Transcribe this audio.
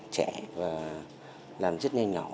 trẻ và làm rất nhanh nhỏ